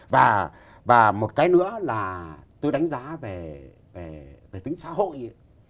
và một cái nữa là tôi đánh giá về tính xã hội